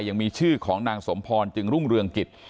ยังมีชื่อของนางสมพรจึงรุ่งเรืองกิจ